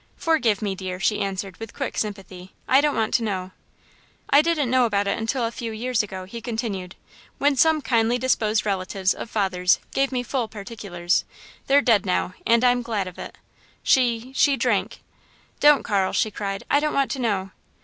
"Forgive me, dear," she answered with quick sympathy, "I don't want to know!" "I didn't know about it until a few years ago," he continued, "when some kindly disposed relatives of father's gave me full particulars. They're dead now, and I'm glad of it. She she drank." "Don't, Carl!" she cried, "I don't want to know!"